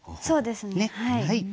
そうですね。